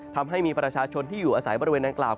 ทำให้มีประชาชนที่อยู่อาศัยบริเวณดังกล่าว